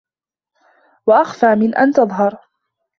وَأَخْفَى مِنْ أَنْ تَظْهَرَ